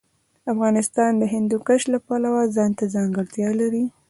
افغانستان د هندوکش د پلوه ځانته ځانګړتیا لري.